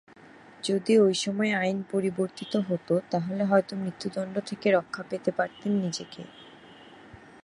যদি ঐ সময়ে আইন পরিবর্তিত হতো, তাহলে হয়তো মৃত্যুদণ্ড থেকে রক্ষা পেতে পারতেন নিজেকে।